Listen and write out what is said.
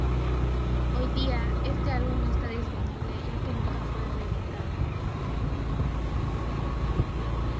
Hoy día, este álbum no está disponible ya que nunca fue reeditado.